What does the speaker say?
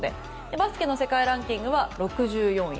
バスケの世界ランキングは６４位。